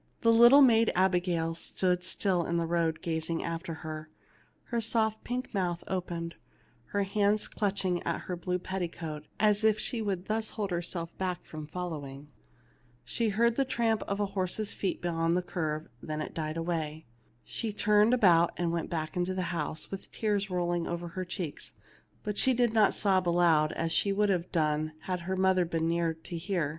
The little maid Abigail stood still in the road, gazing after her, her soft pink mouth open, her hands clutching at her blue petticoat, as if she would thus hold herself back from following. She heard the tramp of a horse's feet beyond the curve ; then it died away. She turned about and went back to the house, with the tears rolling over her cheeks ; but she did not sob aloud, as she would have done had her mother been near to hear.